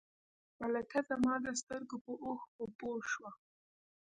ملکه زما د سترګو په اوښکو پوه شوه.